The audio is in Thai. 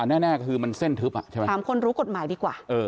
แน่ก็คือมันเส้นทึบอ่ะใช่ไหมถามคนรู้กฎหมายดีกว่า